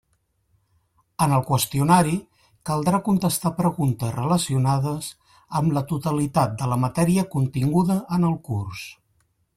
En el qüestionari caldrà contestar preguntes relacionades amb la totalitat de la matèria continguda en el curs.